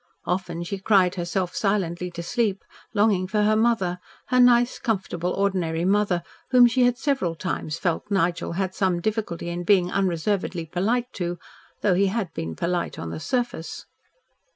Often she cried herself silently to sleep, longing for her mother her nice, comfortable, ordinary mother, whom she had several times felt Nigel had some difficulty in being unreservedly polite to though he had been polite on the surface.